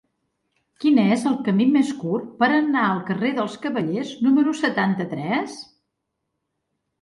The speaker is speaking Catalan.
Quin és el camí més curt per anar al carrer dels Cavallers número setanta-tres?